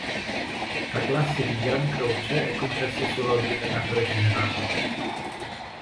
La classe di Gran Croce è concessa solo al Governatore Generale.